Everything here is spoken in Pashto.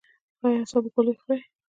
ایا د اعصابو ګولۍ خورئ؟